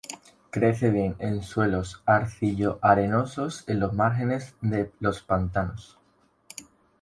Crece bien en suelos arcillo-arenosos en los márgenes de los pantanos.